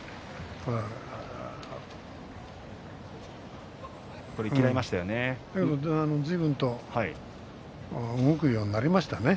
だけどずいぶんと動くようになりましたよね